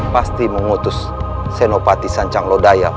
pasti mengutus senopati sancang lodaya